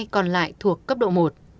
còn lại thuộc cấp độ một